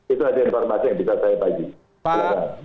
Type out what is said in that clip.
itu adalah informasi yang bisa saya bagi